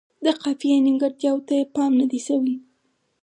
د قافیې نیمګړتیاوو ته یې پام نه دی شوی.